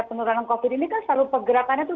penurunan covid ini kan selalu pergerakannya itu